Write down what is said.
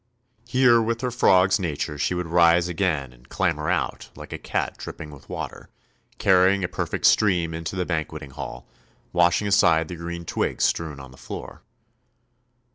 Here with her frog's nature she would rise again and clamber out like a cat dripping with water, carrying a perfect stream into the banqueting hall, washing aside the green twigs strewn on the floor.